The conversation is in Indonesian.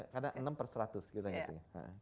karena enam per seratus kita ngerti